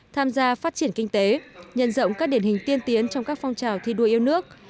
tham gia phát triển kinh tế nhân rộng các điển hình tiên tiến trong các phong trào thi đua yêu nước